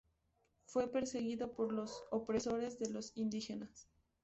Fue perseguido por los opresores de los indígenas.